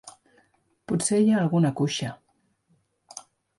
Potser hi ha alguna cuixa.